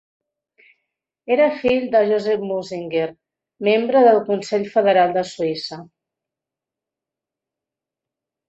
Era el fill de Josef Munzinger, membre del Consell Federal de Suïssa.